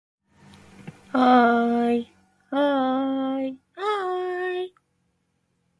Harpo Films was based in Los Angeles, California.